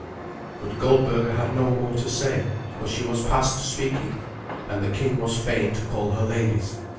But Goldberga had no more to say, for she was past speaking, and the king was fain to call her ladies.